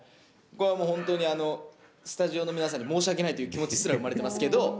これは本当にあのスタジオの皆さんに申し訳ないという気持ちすら生まれてますけど。